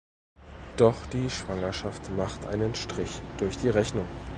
Doch die Schwangerschaft macht einen Strich durch die Rechnung.